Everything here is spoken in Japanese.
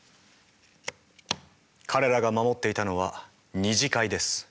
彼らが守っていたのは二次会です。